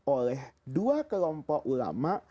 oleh dua kelompok ulama